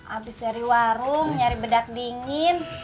abis dari warung nyari bedak dingin